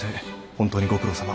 本当にご苦労さま。